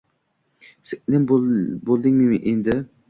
Singlim boʻldingmi endi?!